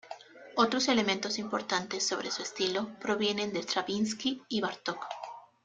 Otros elementos importantes sobre su estilo provienen de Stravinski y Bartók.